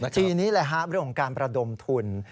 ทีนี้แหละครับเรื่องการระดมทุน